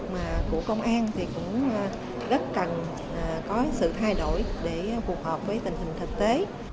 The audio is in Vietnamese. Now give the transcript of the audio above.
thì cũng rất cần có sự thay đổi để phù hợp với tình hình thực tế